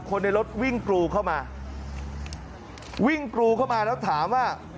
คนในรถวิ่งกรูเข้ามาวิ่งกรูเข้ามาแล้วถามว่า